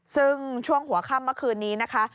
ซึ่งช่วงหัวค่ำเมื่อคืนนี้นะคะ